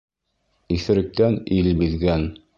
Иҫеректән ил биҙгән.